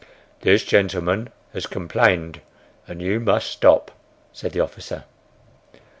"This gentleman has complained, and you must stop," said the officer.